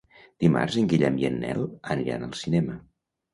Dimarts en Guillem i en Nel aniran al cinema.